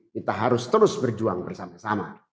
kita harus terus berjuang bersama sama